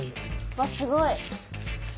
うわっすごい。